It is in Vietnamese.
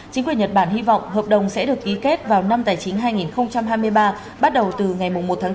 chính quyền nhật bản hy vọng hợp đồng sẽ được ký kết vào năm tài chính hai nghìn hai mươi ba bắt đầu từ ngày một tháng bốn